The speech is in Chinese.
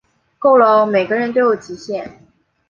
够了喔，每个人都有极限